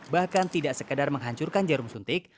bahkan tidak sekedar menghancurkan jarum suntik